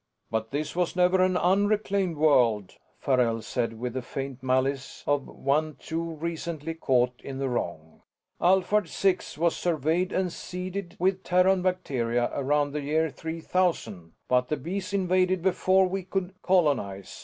"But this was never an unreclaimed world," Farrell said with the faint malice of one too recently caught in the wrong. "Alphard Six was surveyed and seeded with Terran bacteria around the year 3000, but the Bees invaded before we could colonize.